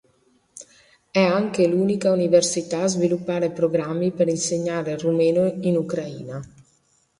È anche l'unica università a sviluppare programmi per insegnare il rumeno in Ucraina.